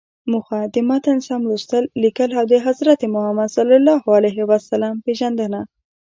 موخه: د متن سم لوستل، ليکل او د حضرت محمد ﷺ پیژندنه.